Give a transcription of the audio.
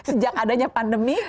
sejak adanya pandemi